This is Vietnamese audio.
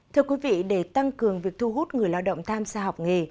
thưa quý vị để tăng cường việc thu hút người lao động tham gia học nghề